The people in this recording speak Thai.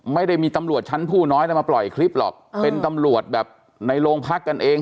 ไม่ได้มีตำรวจชั้นผู้น้อยแล้วมาปล่อยคลิปหรอกเป็นตำรวจแบบในโรงพักกันเอง